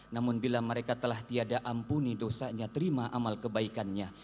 namun bila mereka telah tiada ampuni dosanya terima amal kebaikannya